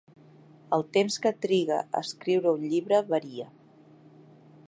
El temps que triga a escriure un llibre varia.